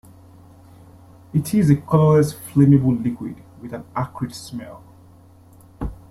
It is a colourless flammable liquid with an acrid smell.